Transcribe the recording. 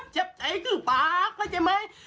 เฉียบใจคือป๊าเข้าใจไหม